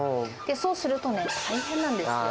そうするとね、大変なんですよ。